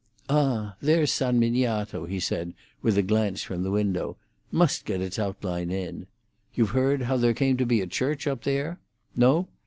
"Ah, there's San Miniato," he said, with a glance from the window. "Must get its outline in. You've heard how there came to be a church up there? No?